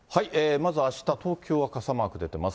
まず、あした、東京は傘マーク出てます。